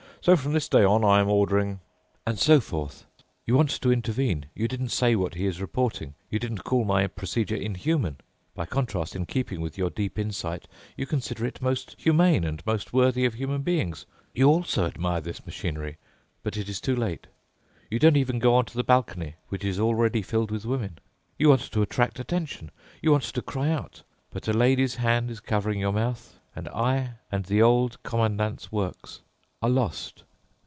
So from this day on I am ordering ... and so forth.' You want to intervene—you didn't say what he is reporting—you didn't call my procedure inhuman; by contrast, in keeping with your deep insight, you consider it most humane and most worthy of human beings. You also admire this machinery. But it is too late. You don't even go onto the balcony, which is already filled with women. You want to attract attention. You want to cry out. But a lady's hand is covering your mouth, and I and the Old Commandant's work are lost."